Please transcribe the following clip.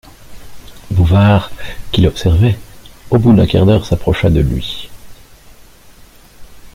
Bouvard qui l'observait, au bout d'un quart d'heure s'approcha de lui.